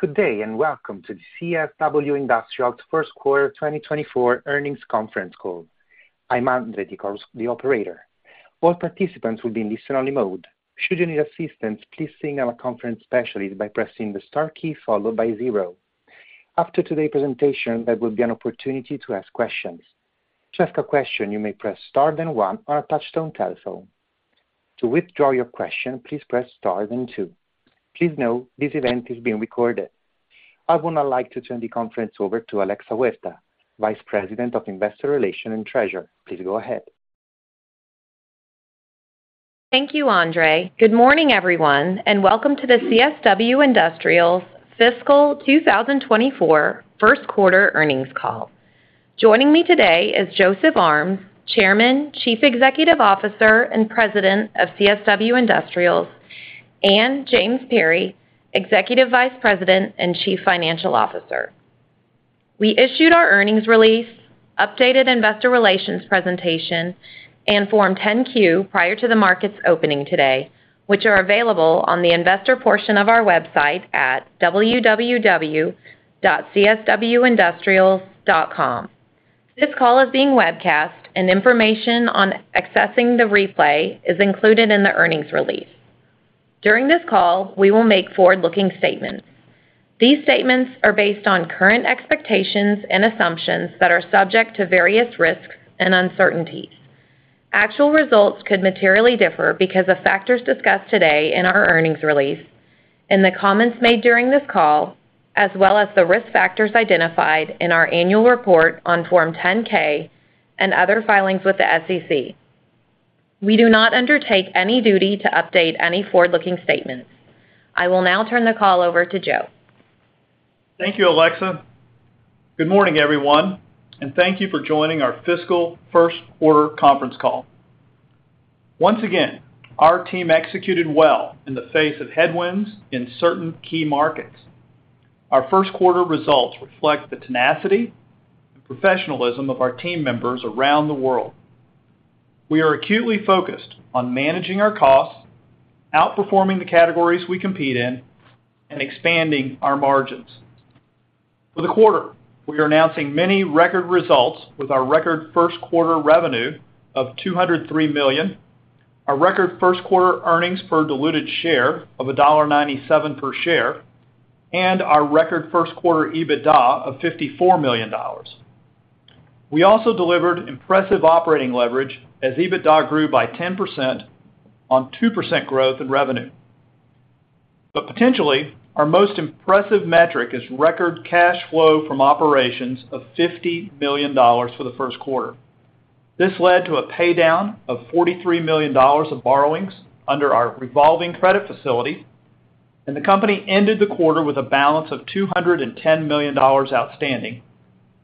Good day, and welcome to the CSW Industrials Q1 2024 earnings conference call. I'm Andre, the operator. All participants will be in listen-only mode. Should you need assistance, please signal a conference specialist by pressing the star key followed by zero. After today's presentation, there will be an opportunity to ask questions. To ask a question, you may press star, then one on a touch-tone telephone. To withdraw your question, please press star, then two. Please note, this event is being recorded. I would now like to turn the conference over to Alexa Huerta, Vice President of Investor Relations and Treasurer. Please go ahead. Thank you, Andre. Good morning, everyone, and welcome to the CSW Industrials' fiscal 2024 Q1 earnings call. Joining me today is Joseph Armes, Chairman, Chief Executive Officer, and President of CSW Industrials, and James Perry, Executive Vice President and Chief Financial Officer. We issued our earnings release, updated investor relations presentation, and Form 10-Q prior to the market's opening today, which are available on the investor portion of our website at www.cswindustrials.com. This call is being webcast, information on accessing the replay is included in the earnings release. During this call, we will make forward-looking statements. These statements are based on current expectations and assumptions that are subject to various risks and uncertainties. Actual results could materially differ because of factors discussed today in our earnings release and the comments made during this call, as well as the risk factors identified in our annual report on Form 10-K and other filings with the SEC. We do not undertake any duty to update any forward-looking statements. I will now turn the call over to Joe. Thank you, Alexa. Good morning, everyone, and thank you for joining our fiscal Q1 conference call. Once again, our team executed well in the face of headwinds in certain key markets. Our Q1 results reflect the tenacity and professionalism of our team members around the world. We are acutely focused on managing our costs, outperforming the categories we compete in, and expanding our margins. For the quarter, we are announcing many record results with our record Q1 revenue of $203 million, our record Q1 earnings per diluted share of $1.97 per share, and our record Q1 EBITDA of $54 million. We also delivered impressive operating leverage as EBITDA grew by 10% on 2% growth in revenue. Potentially, our most impressive metric is record cash flow from operations of $50 million for the Q1. This led to a paydown of $43 million of borrowings under our revolving credit facility, and the company ended the quarter with a balance of $210 million outstanding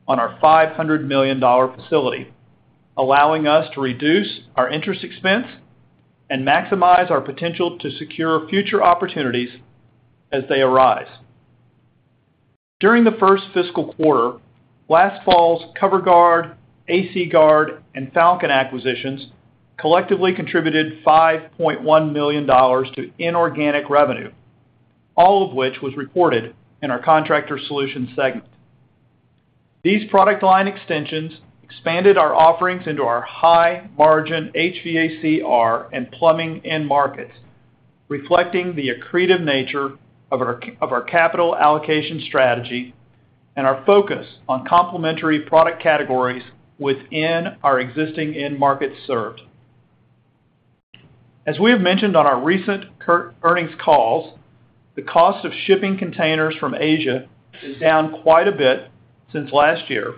on our $500 million facility, allowing us to reduce our interest expense and maximize our potential to secure future opportunities as they arise. During the first fiscal quarter, last fall's Coverguard, AC Guard, and Falcon acquisitions collectively contributed $5.1 million to inorganic revenue, all of which was reported in our Contractor Solutions segment. These product line extensions expanded our offerings into our high-margin HVACR and plumbing end markets, reflecting the accretive nature of our capital allocation strategy and our focus on complementary product categories within our existing end markets served. As we have mentioned on our recent earnings calls, the cost of shipping containers from Asia is down quite a bit since last year,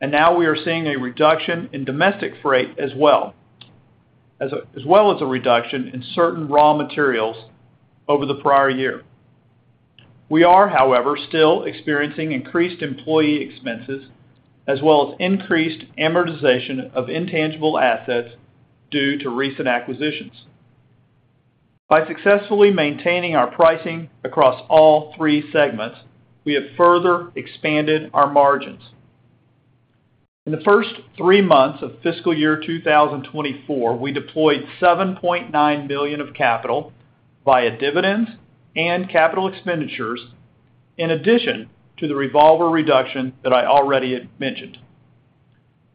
and now we are seeing a reduction in domestic freight as well, as well as a reduction in certain raw materials over the prior year. We are, however, still experiencing increased employee expenses, as well as increased amortization of intangible assets due to recent acquisitions. By successfully maintaining our pricing across all three segments, we have further expanded our margins. In the first three months of fiscal year 2024, we deployed $7.9 billion of capital via dividends and capital expenditures, in addition to the revolver reduction that I already had mentioned.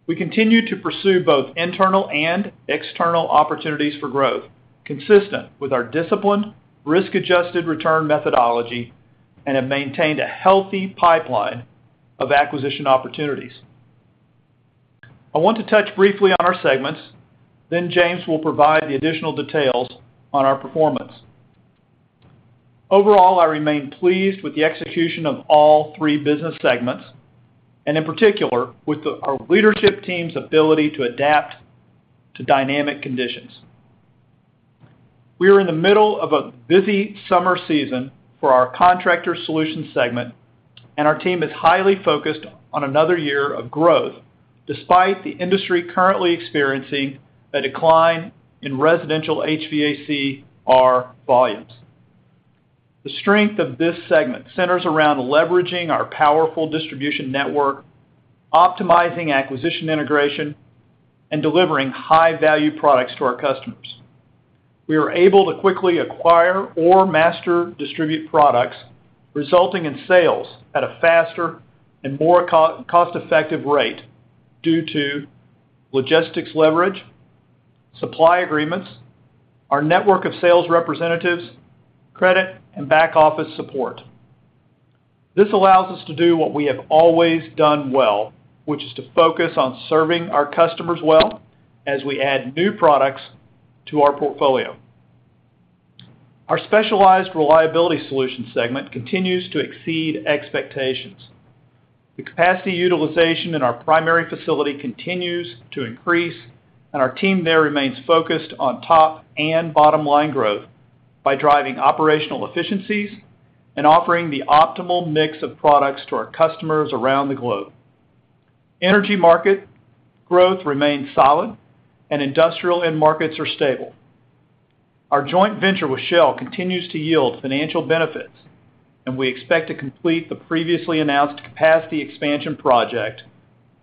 We continue to pursue both internal and external opportunities for growth, consistent with our disciplined, risk-adjusted return methodology, and have maintained a healthy pipeline of acquisition opportunities. I want to touch briefly on our segments, then James will provide the additional details on our performance. Overall, I remain pleased with the execution of all three business segments, and in particular, with our leadership team's ability to adapt to dynamic conditions. We are in the middle of a busy summer season for our Contractor Solutions segment, and our team is highly focused on another year of growth, despite the industry currently experiencing a decline in residential HVACR volumes. The strength of this segment centers around leveraging our powerful distribution network, optimizing acquisition integration, and delivering high-value products to our customers. We are able to quickly acquire or master distribute products, resulting in sales at a faster and more cost-effective rate due to logistics leverage, supply agreements, our network of sales representatives, credit, and back office support. This allows us to do what we have always done well, which is to focus on serving our customers well as we add new products to our portfolio. Our Specialized Reliability Solutions segment continues to exceed expectations. The capacity utilization in our primary facility continues to increase, and our team there remains focused on top and bottom-line growth by driving operational efficiencies and offering the optimal mix of products to our customers around the globe. Energy market growth remains solid and industrial end markets are stable. Our joint venture with Shell continues to yield financial benefits, and we expect to complete the previously announced capacity expansion project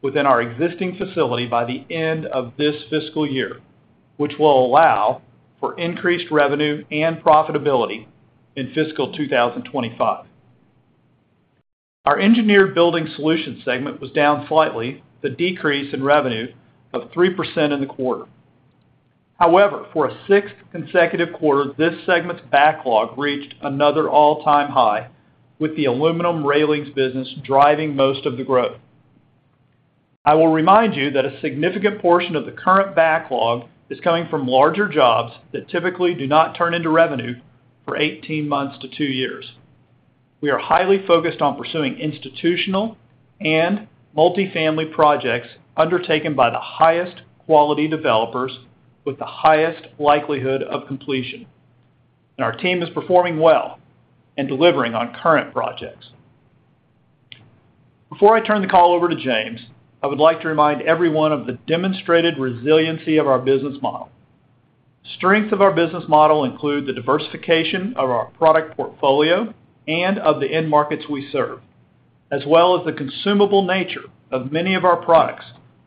within our existing facility by the end of this fiscal year, which will allow for increased revenue and profitability in fiscal 2025. Our Engineered Building Solutions segment was down slightly, the decrease in revenue of 3% in the quarter. For a sixth consecutive quarter, this segment's backlog reached another all-time high, with the aluminum railings business driving most of the growth. I will remind you that a significant portion of the current backlog is coming from larger jobs that typically do not turn into revenue for 18 months to two years. We are highly focused on pursuing institutional and multifamily projects undertaken by the highest quality developers with the highest likelihood of completion. Our team is performing well and delivering on current projects. Before I turn the call over to James, I would like to remind everyone of the demonstrated resiliency of our business model. Strength of our business model include the diversification of our product portfolio and of the end markets we serve, as well as the consumable nature of many of our products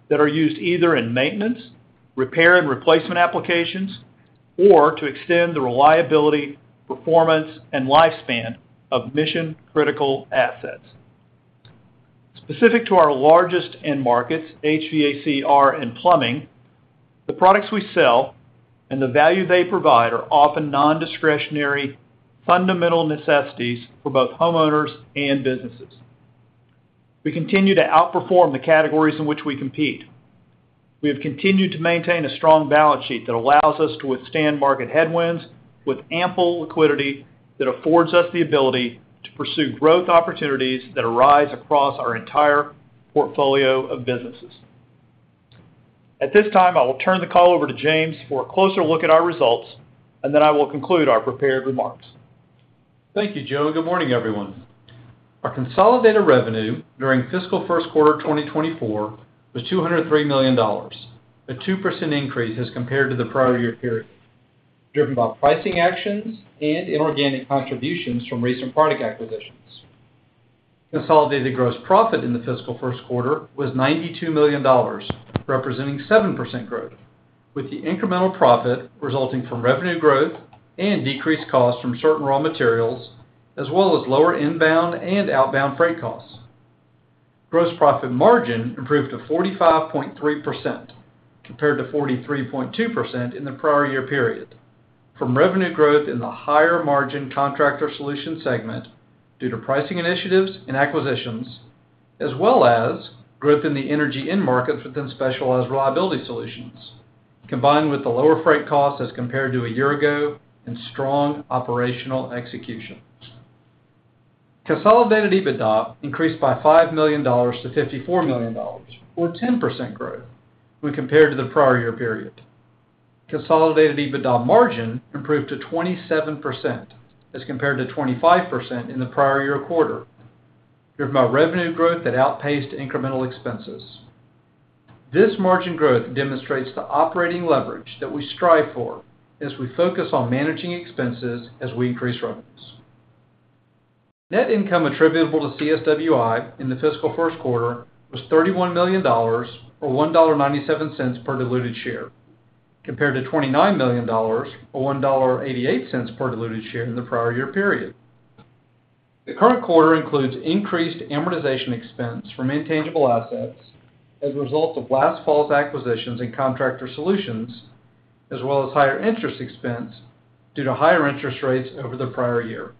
that are used either in maintenance, repair and replacement applications, or to extend the reliability, performance, and lifespan of mission-critical assets. Specific to our largest end markets, HVACR and plumbing, the products we sell and the value they provide are often non-discretionary, fundamental necessities for both homeowners and businesses. We continue to outperform the categories in which we compete. We have continued to maintain a strong balance sheet that allows us to withstand market headwinds with ample liquidity that affords us the ability to pursue growth opportunities that arise across our entire portfolio of businesses. At this time, I will turn the call over to James for a closer look at our results, and then I will conclude our prepared remarks. Thank you, Joe, and good morning, everyone. Our consolidated revenue during fiscal Q1 2024 was $203 million, a 2% increase as compared to the prior year period, driven by pricing actions and inorganic contributions from recent product acquisitions. Consolidated gross profit in the fiscal Q1 was $92 million, representing 7% growth, with the incremental profit resulting from revenue growth and decreased costs from certain raw materials, as well as lower inbound and outbound freight costs. Gross profit margin improved to 45.3%, compared to 43.2% in the prior year period, from revenue growth in the higher margin Contractor Solutions segment due to pricing initiatives and acquisitions, as well as growth in the energy end markets within Specialized Reliability Solutions, combined with the lower freight costs as compared to a year ago and strong operational execution. Consolidated EBITDA increased by $5 million to $54 million, or 10% growth when compared to the prior-year period. Consolidated EBITDA margin improved to 27%, as compared to 25% in the prior-year quarter, driven by revenue growth that outpaced incremental expenses. This margin growth demonstrates the operating leverage that we strive for as we focus on managing expenses as we increase revenues. Net income attributable to CSWI in the fiscal Q1 was $31 million, or $1.97 per diluted share, compared to $29 million, or $1.88 per diluted share in the prior-year period. The current quarter includes increased amortization expense from intangible assets as a result of last fall's acquisitions in Contractor Solutions, as well as higher interest expense due to higher interest rates over the prior-year.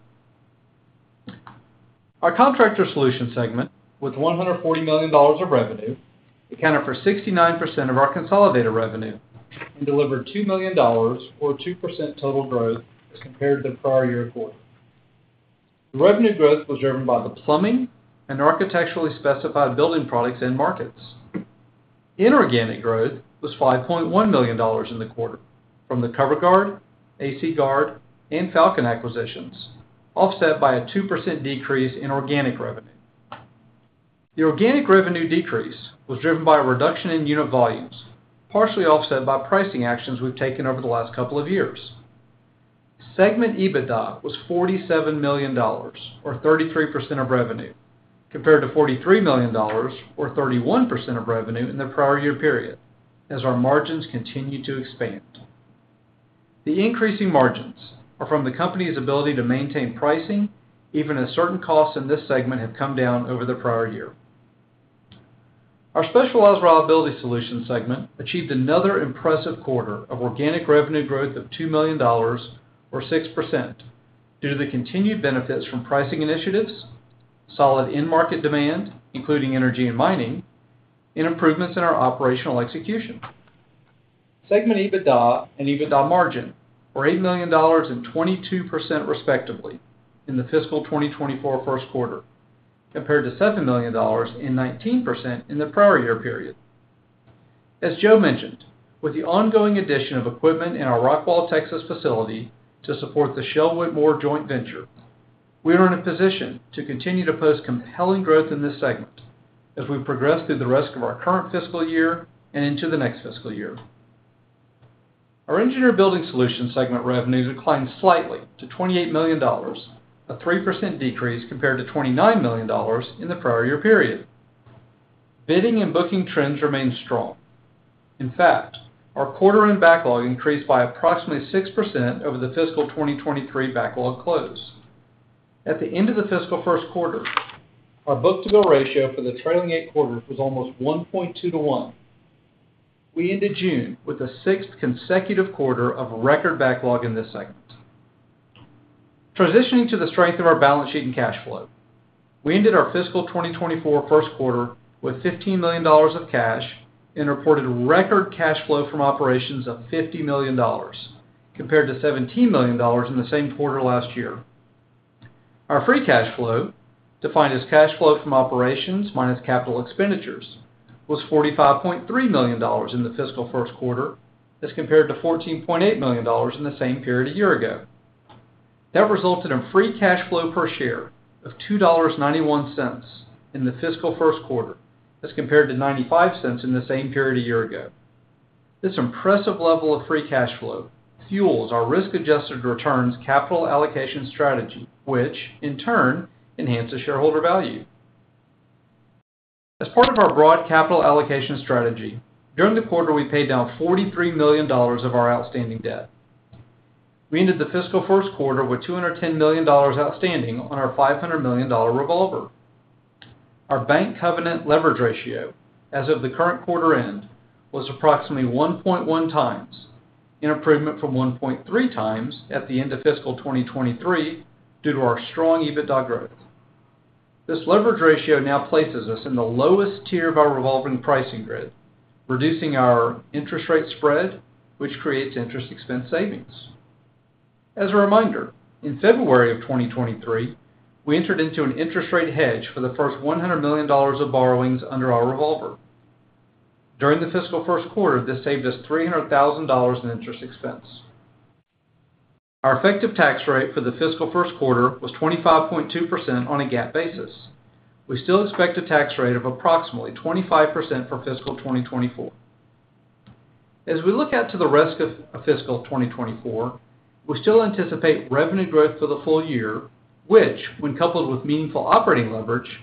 Our Contractor Solutions segment, with $140 million of revenue, accounted for 69% of our consolidated revenue and delivered $2 million, or 2% total growth as compared to the prior-year quarter. The revenue growth was driven by the plumbing and architecturally-specified building products in markets. Inorganic growth was $5.1 million in the quarter from the Coveruard, AC Guard, and Falcon acquisitions, offset by a 2% decrease in organic revenue. The organic revenue decrease was driven by a reduction in unit volumes, partially offset by pricing actions we've taken over the last couple of years. Segment EBITDA was $47 million, or 33% of revenue, compared to $43 million, or 31% of revenue in the prior-year period, as our margins continue to expand. The increasing margins are from the company's ability to maintain pricing, even as certain costs in this segment have come down over the prior year. Our Specialized Reliability Solutions segment achieved another impressive quarter of organic revenue growth of $2 million, or 6%, due to the continued benefits from pricing initiatives, solid end market demand, including energy and mining, and improvements in our operational execution. Segment EBITDA and EBITDA margin were $8 million and 22%, respectively, in the fiscal 2024 Q1, compared to $7 million and 19% in the prior year period. As Joe mentioned, with the ongoing addition of equipment in our Rockwall, Texas, facility to support the Shell Whitmore joint venture, we are in a position to continue to post compelling growth in this segment as we progress through the rest of our current fiscal year and into the next fiscal year. Our Engineered Building Solutions segment revenues declined slightly to $28 million, a 3% decrease compared to $29 million in the prior year period. Bidding and booking trends remain strong. In fact, our quarter-end backlog increased by approximately 6% over the fiscal 2023 backlog close. At the end of the fiscal Q1, our book-to-bill ratio for the trailing eight quarters was almost 1.2 to 1. We ended June with a sixth consecutive quarter of record backlog in this segment. Transitioning to the strength of our balance sheet and cash flow. We ended our fiscal 2024 Q1 with $15 million of cash, reported record cash flow from operations of $50 million, compared to $17 million in the same quarter last year. Our free cash flow, defined as cash flow from operations minus capital expenditures, was $45.3 million in the fiscal Q1, as compared to $14.8 million in the same period a year ago. That resulted in free cash flow per share of $2.91 in the fiscal Q1, as compared to $0.95 in the same period a year ago. This impressive level of free cash flow fuels our risk-adjusted returns capital allocation strategy, which in turn enhances shareholder value. As part of our broad capital allocation strategy, during the quarter, we paid down $43 million of our outstanding debt. We ended the fiscal Q1 with $210 million outstanding on our $500 million revolver. Our bank covenant leverage ratio, as of the current quarter end, was approximately 1.1 times, an improvement from 1.3 times at the end of fiscal 2023, due to our strong EBITDA growth. This leverage ratio now places us in the lowest tier of our revolving pricing grid, reducing our interest rate spread, which creates interest expense savings. As a reminder, in February 2023, we entered into an interest rate hedge for the first $100 million of borrowings under our revolver. During the fiscal Q1, this saved us $300,000 in interest expense. Our effective tax rate for the fiscal Q1 was 25.2% on a GAAP basis. We still expect a tax rate of approximately 25% for fiscal 2024. As we look out to the rest of fiscal 2024, we still anticipate revenue growth for the full year, which, when coupled with meaningful operating leverage,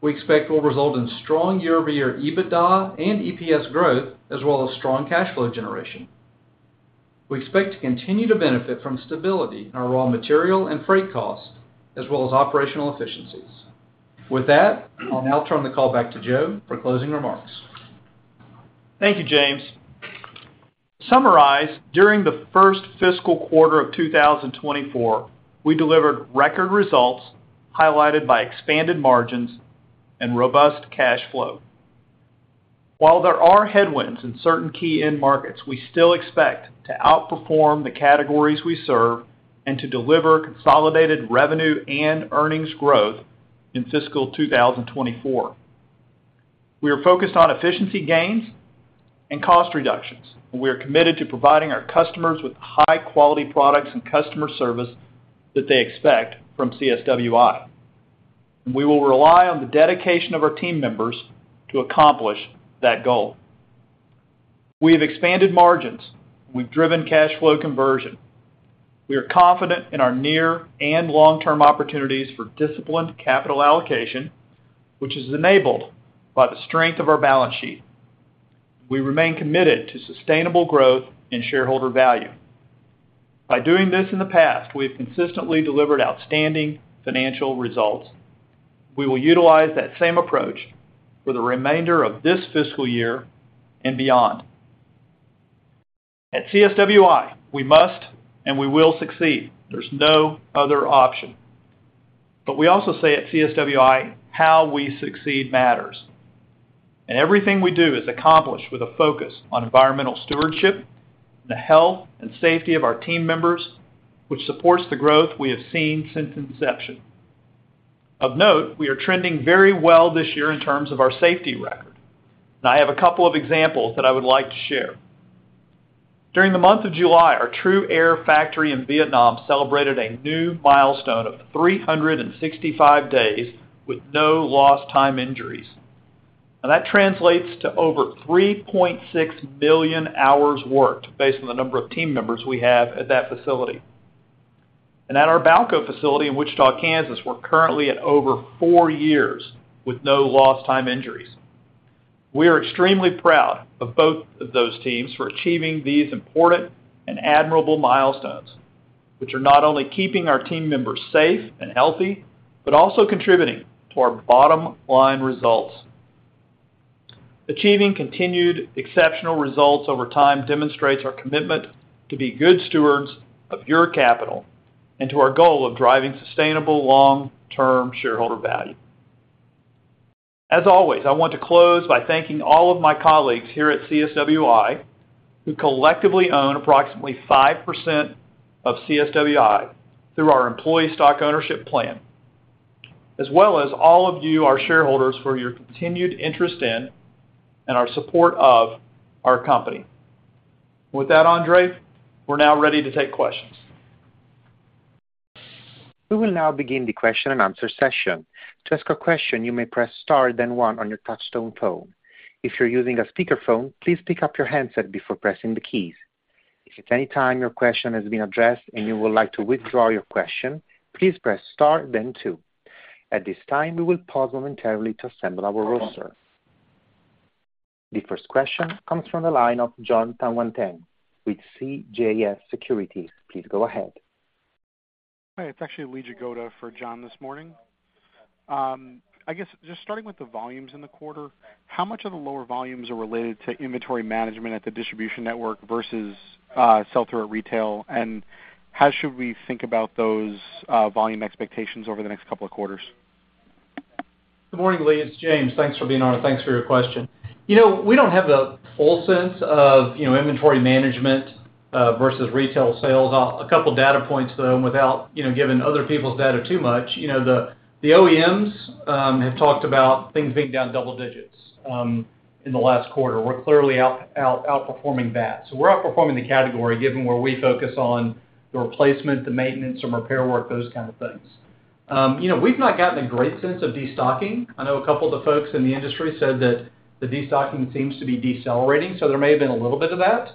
we expect will result in strong year-over-year EBITDA and EPS growth, as well as strong cash flow generation. We expect to continue to benefit from stability in our raw material and freight costs, as well as operational efficiencies. With that, I'll now turn the call back to Joe for closing remarks. Thank you, James. To summarize, during the first fiscal quarter of 2024, we delivered record results highlighted by expanded margins and robust cash flow. While there are headwinds in certain key end markets, we still expect to outperform the categories we serve and to deliver consolidated revenue and earnings growth in fiscal 2024. We are focused on efficiency gains and cost reductions, and we are committed to providing our customers with high-quality products and customer service that they expect from CSWI, and we will rely on the dedication of our team members to accomplish that goal. We have expanded margins, and we've driven cash flow conversion. We are confident in our near and long-term opportunities for disciplined capital allocation, which is enabled by the strength of our balance sheet. We remain committed to sustainable growth and shareholder value. By doing this in the past, we have consistently delivered outstanding financial results. We will utilize that same approach for the remainder of this fiscal year and beyond. At CSWI, we must and we will succeed. There's no other option. We also say at CSWI, how we succeed matters, and everything we do is accomplished with a focus on environmental stewardship and the health and safety of our team members, which supports the growth we have seen since inception. Of note, we are trending very well this year in terms of our safety record, and I have a couple of examples that I would like to share. During the month of July, our TRUaire factory in Vietnam celebrated a new milestone of 365 days with no lost time injuries.... That translates to over 3.6 billion hours worked, based on the number of team members we have at that facility. At our Balco facility in Wichita, Kansas, we're currently at over four years with no lost time injuries. We are extremely proud of both of those teams for achieving these important and admirable milestones, which are not only keeping our team members safe and healthy, but also contributing to our bottom line results. Achieving continued exceptional results over time demonstrates our commitment to be good stewards of your capital and to our goal of driving sustainable long-term shareholder value. As always, I want to close by thanking all of my colleagues here at CSWI, who collectively own approximately 5% of CSWI through our employee stock ownership plan, as well as all of you, our shareholders, for your continued interest in and our support of our company. With that, Andre, we're now ready to take questions. We will now begin the question and answer session. To ask a question, you may press star, then 1 on your touch-tone telephone. If you're using a speakerphone, please pick up your handset before pressing the keys. If at any time your question has been addressed and you would like to withdraw your question, please press star, then 2. At this time, we will pause momentarily to assemble our roster. The first question comes from the line of John Tanwanteng with CJS Securities. Please go ahead. Hi, it's actually Lee Jagoda for John this morning. I guess just starting with the volumes in the quarter, how much of the lower volumes are related to inventory management at the distribution network versus sell through at retail? How should we think about those volume expectations over the next couple of quarters? Good morning, Lee, it's James. Thanks for being on, and thanks for your question. You know, we don't have the full sense of, you know, inventory management versus retail sales. A couple of data points, though, without, you know, giving other people's data too much. You know, the, the OEMs have talked about things being down double digits in the last quarter. We're clearly outperforming that. We're outperforming the category, given where we focus on the replacement, the maintenance, some repair work, those kind of things. You know, we've not gotten a great sense of destocking. I know a couple of the folks in the industry said that the destocking seems to be decelerating, so there may have been a little bit of that.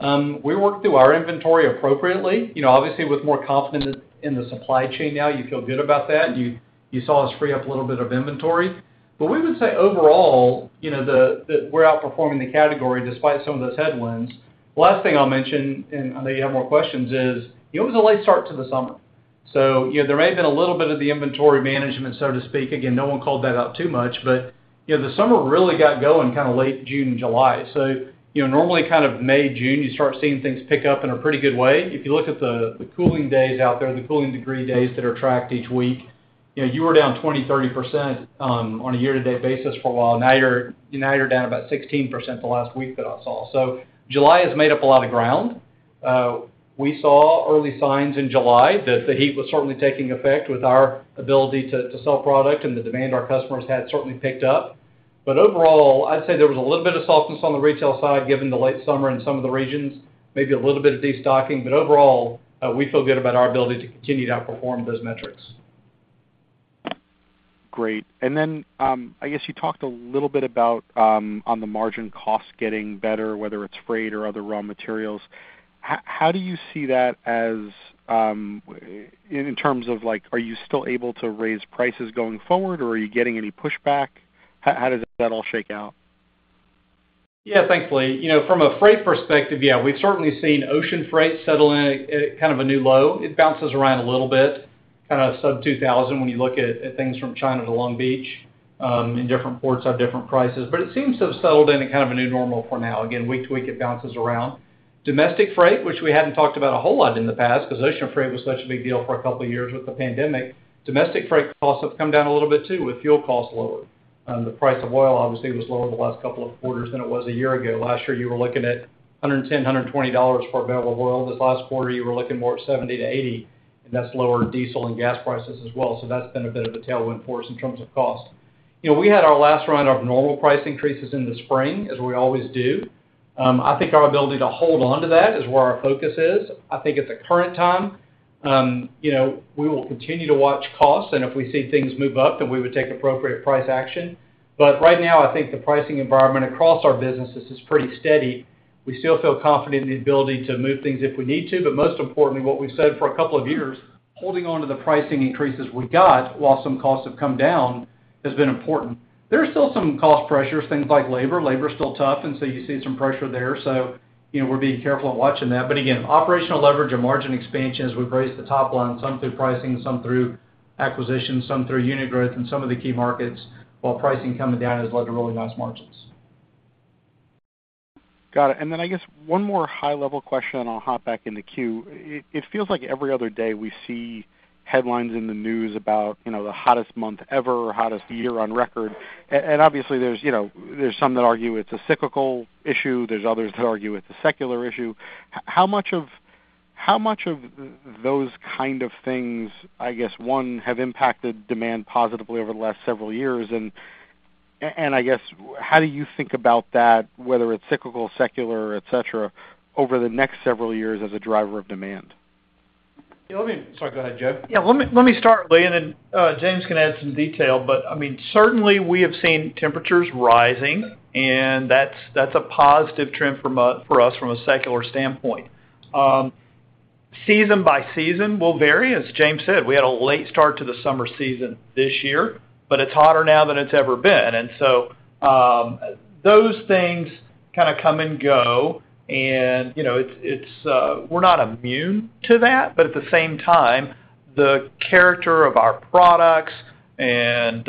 We worked through our inventory appropriately, you know, obviously, with more confidence in the supply chain now, you feel good about that. You, you saw us free up a little bit of inventory. We would say overall, you know, that we're outperforming the category despite some of those headwinds. Last thing I'll mention, and I know you have more questions, is, it was a late start to the summer, so you know, there may have been a little bit of the inventory management, so to speak. Again, no one called that out too much, but, you know, the summer really got going kind of late June, July. You know, normally kind of May, June, you start seeing things pick up in a pretty good way. If you look at the, the cooling days out there, the cooling degree days that are tracked each week, you know, you were down 20%-30% on a year-to-date basis for a while. Now you're, now you're down about 16% the last week that I saw. July has made up a lot of ground. We saw early signs in July that the heat was certainly taking effect with our ability to, to sell product and the demand our customers had certainly picked up. Overall, I'd say there was a little bit of softness on the retail side, given the late summer in some of the regions, maybe a little bit of destocking. Overall, we feel good about our ability to continue to outperform those metrics. Great. I guess you talked a little bit about, on the margin cost getting better, whether it's freight or other raw materials. How do you see that as, in terms of like, are you still able to raise prices going forward, or are you getting any pushback? How does that all shake out? Yeah, thankfully, you know, from a freight perspective, yeah, we've certainly seen ocean freight settle in at kind of a new low. It bounces around a little bit, kind of sub $2,000 when you look at, at things from China to Long Beach, and different ports have different prices, but it seems to have settled in at kind of a new normal for now. Again, week to week, it bounces around. Domestic freight, which we hadn't talked about a whole lot in the past, because ocean freight was such a big deal for a couple of years with the pandemic. Domestic freight costs have come down a little bit, too, with fuel costs lower. The price of oil, obviously, was lower the last couple of quarters than it was a year ago. Last year, you were looking at $110-$120 per barrel of oil. This last quarter, you were looking more at $70-$80, and that's lower diesel and gas prices as well. That's been a bit of a tailwind for us in terms of cost. You know, we had our last round of normal price increases in the spring, as we always do. I think our ability to hold on to that is where our focus is. I think at the current time, you know, we will continue to watch costs, and if we see things move up, then we would take appropriate price action. Right now, I think the pricing environment across our businesses is pretty steady. We still feel confident in the ability to move things if we need to, Most importantly, what we've said for a couple of years, holding on to the pricing increases we got, while some costs have come down, has been important. There are still some cost pressures, things like labor. Labor is still tough, So you see some pressure there. You know, we're being careful and watching that. Again, operational leverage and margin expansion as we've raised the top line, some through pricing, some through acquisition, some through unit growth in some of the key markets, while pricing coming down has led to really nice margins. Got it. Then I guess one more high-level question, and I'll hop back in the queue. It feels like every other day we see headlines in the news about, you know, the hottest month ever or hottest year on record. Obviously, there's, you know, there's some that argue it's a cyclical issue, there's others that argue it's a secular issue. How much of those kind of things, I guess, one, have impacted demand positively over the last several years? I guess, how do you think about that, whether it's cyclical, secular, et cetera, over the next several years as a driver of demand? Yeah, sorry, go ahead, Joe. Yeah, let me, let me start, Lee, and then James can add some detail. I mean, certainly, we have seen temperatures rising, and that's, that's a positive trend for us from a secular standpoint. Season by season will vary. As James said, we had a late start to the summer season this year, but it's hotter now than it's ever been. Those things kinda come and go and, you know, it's, it's, we're not immune to that, but at the same time, the character of our products and,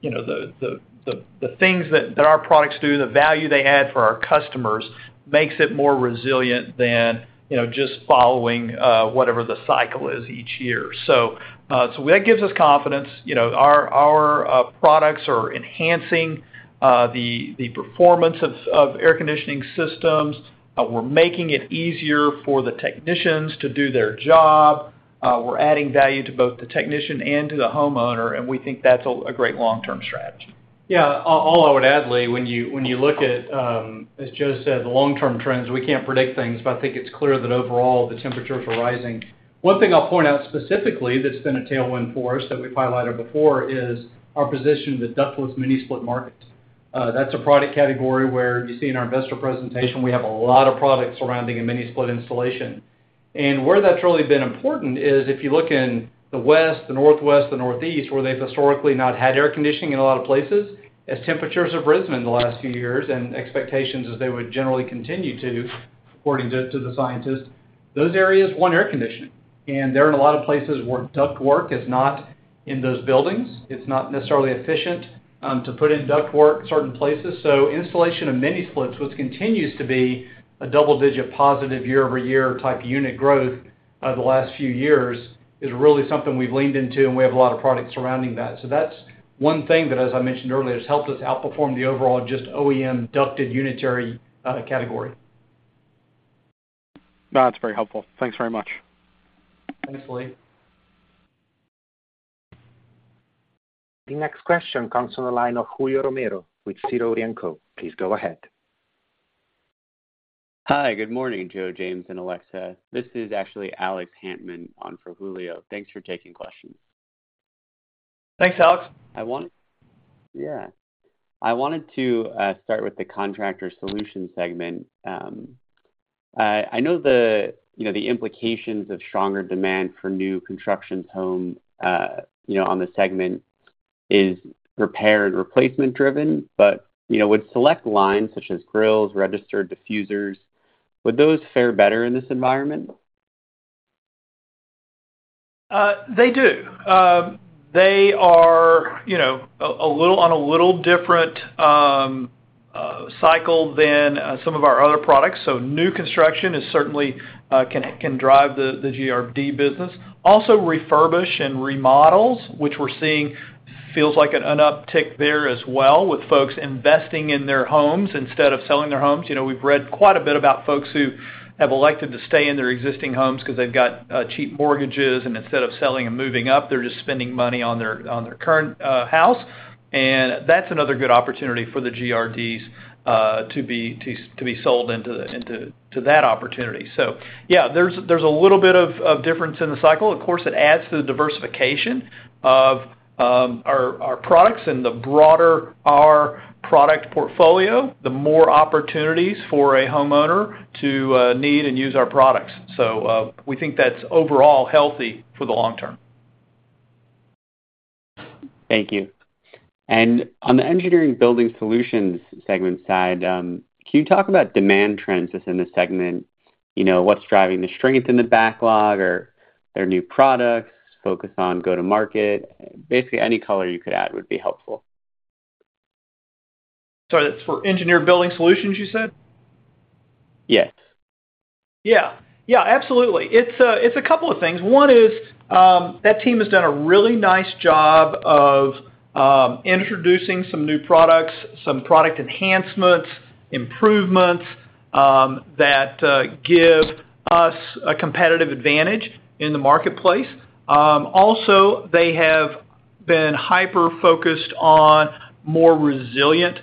you know, the, the, the, the things that, that our products do, the value they add for our customers, makes it more resilient than, you know, just following whatever the cycle is each year. That gives us confidence. You know, our, our products are enhancing the performance of air conditioning systems. We're making it easier for the technicians to do their job. We're adding value to both the technician and to the homeowner, and we think that's a great long-term strategy. Yeah. All, all I would add, Lee, when you, when you look at, as Joe said, the long-term trends, we can't predict things, but I think it's clear that overall, the temperatures are rising. One thing I'll point out specifically that's been a tailwind for us, that we've highlighted before, is our position in the ductless mini-split market. That's a product category where you see in our investor presentation, we have a lot of products surrounding a mini-split installation. Where that's really been important is, if you look in the west, the northwest, the northeast, where they've historically not had air conditioning in a lot of places, as temperatures have risen in the last few years and expectations as they would generally continue to, according to, to the scientists, those areas want air conditioning. There are a lot of places where duct work is not in those buildings. It's not necessarily efficient to put in duct work in certain places. Installation of mini-splits, which continues to be a double-digit positive year-over-year type unit growth over the last few years, is really something we've leaned into, and we have a lot of products surrounding that. That's one thing that, as I mentioned earlier, has helped us outperform the overall just OEM ducted unitary category. No, that's very helpful. Thanks very much. Thanks, Lee. The next question comes from the line of Julio Romero with Tigress & Co. Please go ahead. Hi, good morning, Joe, James, and Alexa. This is actually Alex Hantman on for Julio. Thanks for taking questions. Thanks, Alex. Yeah. I wanted to start with the Contractor Solutions segment. I know the, you know, the implications of stronger demand for new constructions homes, you know, on the segment is repair and replacement driven, but, you know, with select lines such as grills, registers and diffusers, would those fare better in this environment? They do. They are, you know, on a little different cycle than some of our other products. New construction is certainly can drive the GRD business. Also, refurbish and remodels, which we're seeing, feels like an uptick there as well, with folks investing in their homes instead of selling their homes. You know, we've read quite a bit about folks who have elected to stay in their existing homes because they've got cheap mortgages, and instead of selling and moving up, they're just spending money on their current house. That's another good opportunity for the GRDs to be sold into that opportunity. Yeah, there's a little bit of difference in the cycle. It adds to the diversification of our, our products, and the broader our product portfolio, the more opportunities for a homeowner to need and use our products. We think that's overall healthy for the long term. Thank you. On the Engineered Building Solutions segment side, can you talk about demand trends within the segment? You know, what's driving the strength in the backlog or their new products, focus on go-to-market? Basically, any color you could add would be helpful. Sorry, that's for Engineered Building Solutions, you said? Yes. Yeah. Yeah, absolutely. It's a couple of things. One is, that team has done a really nice job of introducing some new products, some product enhancements, improvements, that give us a competitive advantage in the marketplace. Also, they have been hyper-focused on more resilient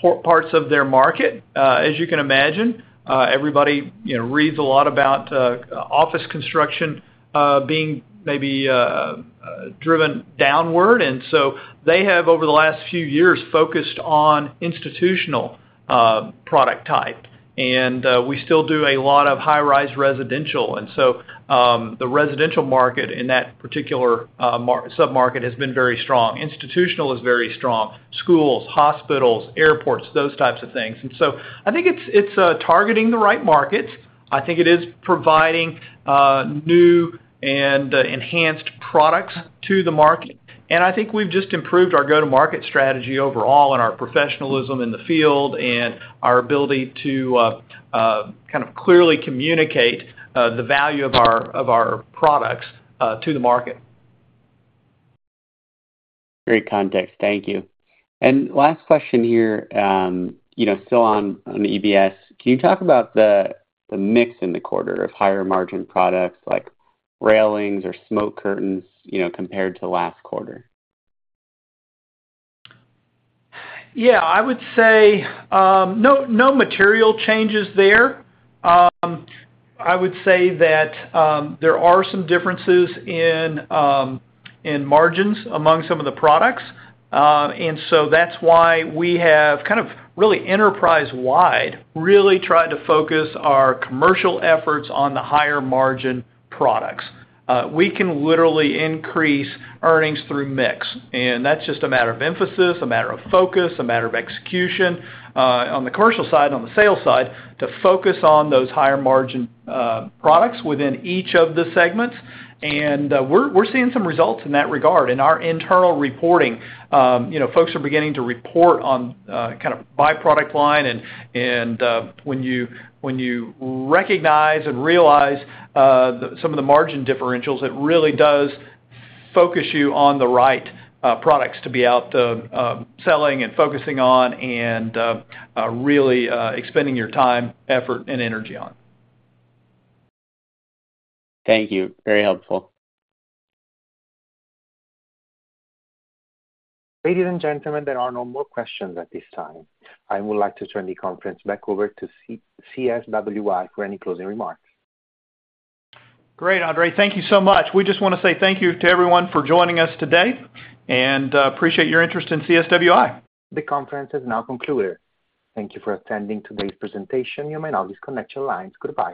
port parts of their market. As you can imagine, everybody, you know, reads a lot about office construction being maybe driven downward. They have, over the last few years, focused on institutional product type. We still do a lot of high-rise residential, the residential market in that particular sub-market has been very strong. Institutional is very strong. Schools, hospitals, airports, those types of things. I think it's, it's targeting the right markets. I think it is providing, new and, enhanced products to the market, and I think we've just improved our go-to-market strategy overall and our professionalism in the field, and our ability to, kind of clearly communicate, the value of our, of our products, to the market. Great context. Thank you. Last question here, you know, still on EBS. Can you talk about the mix in the quarter of higher margin products like railings or smoke curtains, you know, compared to last quarter? Yeah, I would say, no, no material changes there. I would say that there are some differences in margins among some of the products. So that's why we have really enterprise-wide, really tried to focus our commercial efforts on the higher margin products. We can literally increase earnings through mix, and that's just a matter of emphasis, a matter of focus, a matter of execution, on the commercial side, on the sales side, to focus on those higher margin products within each of the segments. We're seeing some results in that regard. In our internal reporting, you know, folks are beginning to report on kind of by product line, and when you, when you recognize and realize the some of the margin differentials, it really does focus you on the right products to be out selling and focusing on, and really expending your time, effort, and energy on. Thank you. Very helpful. Ladies and gentlemen, there are no more questions at this time. I would like to turn the conference back over to CSWI for any closing remarks. Great, Andre. Thank you so much. We just wanna say thank you to everyone for joining us today, and appreciate your interest in CSWI. The conference is now concluded. Thank you for attending today's presentation. You may now disconnect your lines. Goodbye.